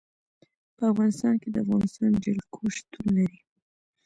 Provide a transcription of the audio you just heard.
په افغانستان کې د افغانستان جلکو شتون لري.